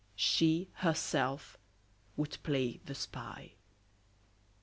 She, herself, would play the spy.